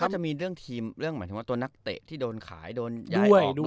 จะมีเรื่องทีมเรื่องหมายถึงว่าตัวนักเตะที่โดนขายโดนย้ายไปด้วย